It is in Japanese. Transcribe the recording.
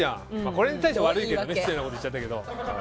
これに対して悪いけど失礼なこと言っちゃったけど。